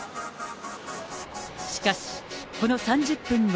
しかし、この３０分後。